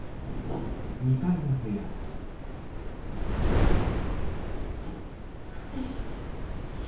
えっウソでしょ。